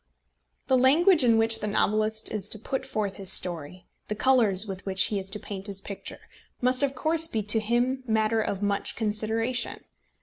The language in which the novelist is to put forth his story, the colours with which he is to paint his picture, must of course be to him matter of much consideration.